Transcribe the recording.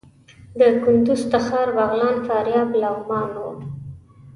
د کندوز، تخار، بغلان، فاریاب، لغمان وو.